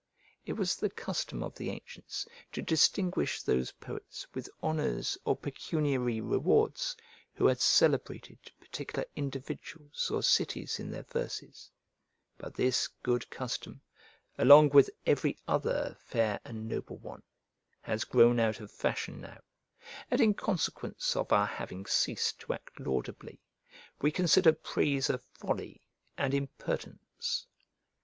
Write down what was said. It was the custom of the ancients to distinguish those poets with honours or pecuniary rewards, who had celebrated particular individuals or cities in their verses; but this good custom, along with every other fair and noble one, has grown out of fashion now; and in consequence of our having ceased to act laudably, we consider praise a folly and impertinence.